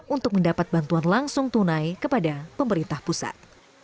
untuk mendapat bantuan langsung tunai kepada pemerintah pusat